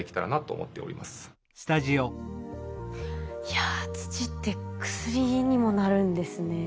いや土って薬にもなるんですね。